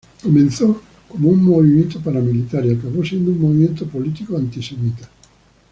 Comenzó como un movimiento paramilitar y acabó siendo un movimiento político antisemita.